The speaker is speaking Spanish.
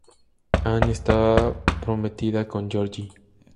Ann estaba prometida con George...